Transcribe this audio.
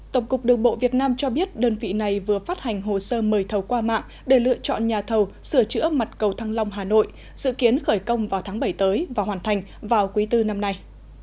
tổng cục đường bộ việt nam cho biết đơn vị này vừa phát hành hồ sơ mời thầu qua mạng để lựa chọn nhà thầu sửa chữa mặt cầu thăng long hà nội dự kiến khởi công vào tháng bảy tới và hoàn thành vào quý tư năm nay